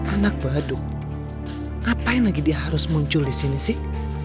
anak baduk ngapain lagi dia harus muncul disini sih